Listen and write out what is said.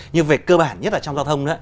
nhưng về cơ bản nhất là trong giao thông